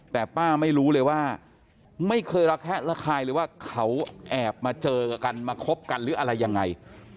แต่ป้าไม่รู้เลยว่าไม่เคยระแคะระคายเลยว่าเขาแอบมาเจอกันมาคบกันหรืออะไรยังไง